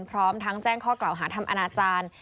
พร้อมทั้งแจ้งข้อกล่าวหาทำอนาจารย์